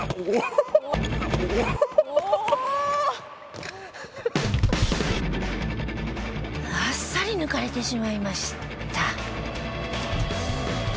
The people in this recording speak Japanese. おお！あっさり抜かれてしまいました。